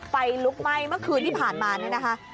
ไฟลุกไหม้เมื่อคืนที่ผ่านมานี่นะคะ